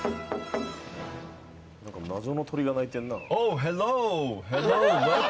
謎の鳥が鳴いてんな。